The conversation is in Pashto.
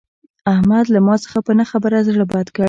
احمد له ما څخه په نه خبره زړه بد کړ.